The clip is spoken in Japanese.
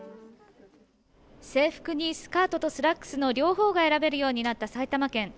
制服にスカートとスラックス両方が選べるようになった埼玉県。